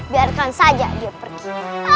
biarkan saja dia pergi